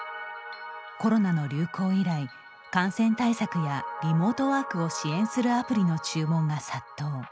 コロナの流行以来感染対策やリモートワークを支援するアプリの注文が殺到。